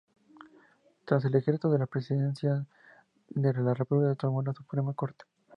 Tras el ejercicio de la Presidencia de la República, retornó a la Suprema Corte.